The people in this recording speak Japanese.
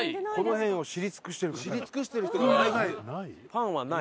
パンはない？